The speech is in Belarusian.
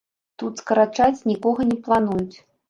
Тут скарачаць нікога не плануюць.